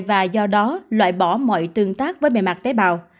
và do đó loại bỏ mọi tương tác với bề mặt tế bào